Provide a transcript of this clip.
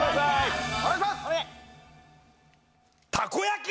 たこ焼き